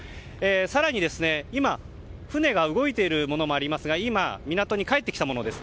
更に今船が動いているものもありますが今、港に帰ってきたものです。